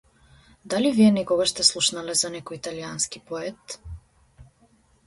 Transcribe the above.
Дали вие некогаш сте слушнале за некој италијански поет?